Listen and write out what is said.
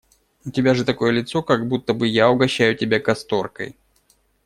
У тебя же такое лицо, как будто бы я угощаю тебя касторкой.